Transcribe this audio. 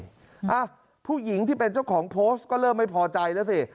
อ่ะผู้หญิงที่เป็นเจ้าของโพสต์ก็เริ่มไม่พอใจแล้วสิ